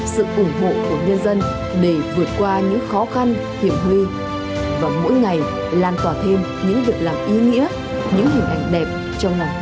sự ủng hộ của nhân dân để vượt qua những khó khăn hiểm huy và mỗi ngày lan tỏa thêm những việc làm ý nghĩa những hình ảnh đẹp trong lòng nhân dân